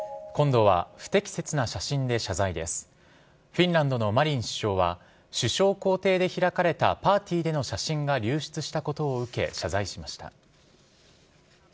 フィンランドのマリン首相は首相公邸で開かれたパーティーでの写真が流出したことを受け謝罪しました。